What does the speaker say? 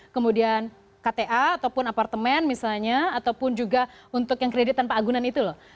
kemudian kta ataupun apartemen misalnya ataupun juga untuk yang kredit tanpa agunan itu loh